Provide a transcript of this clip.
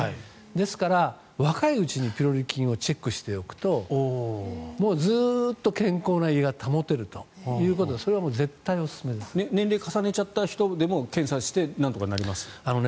ですから若いうちにピロリ菌をチェックしておくとずっと健康な胃が保てるということで年齢を重ねちゃった人でも検査して、なんとかなります？